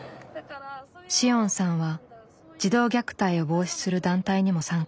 紫桜さんは児童虐待を防止する団体にも参加している。